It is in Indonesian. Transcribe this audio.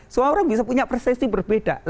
semua orang bisa punya persesi berbeda